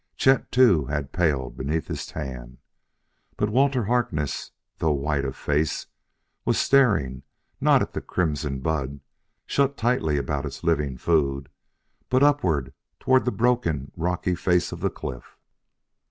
Chet, too, had paled beneath his tan. But Walter Harkness, though white of face, was staring not at the crimson bud, shut tightly about its living food, but upward toward the broken, rocky face of the cliff.